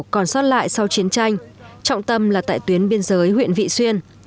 còn sót lại sau chiến tranh trọng tâm là tại tuyến biên giới huyện vị xuyên